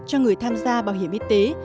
cho người tham gia bảo hiểm y tế